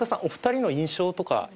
お二人の印象とか。